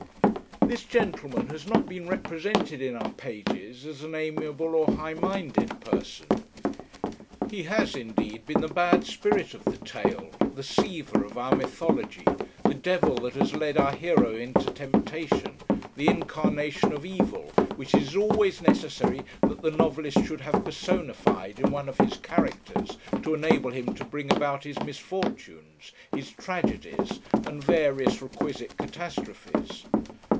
This gentleman has not been represented in our pages as an amiable or high minded person. He has indeed been the bad spirit of the tale, the Siva of our mythology, the devil that has led our hero into temptation, the incarnation of evil, which it is always necessary that the novelist should have personified in one of his characters to enable him to bring about his misfortunes, his tragedies, and various requisite catastrophes.